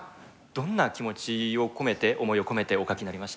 どんな気持ちを込めて思いを込めてお書きになりました？